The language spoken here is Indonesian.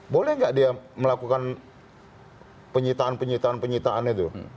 boleh nggak dia melakukan penyitaan penyitaan penyitaan itu